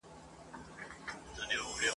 چي تر بیرغ لاندي یې ټول !.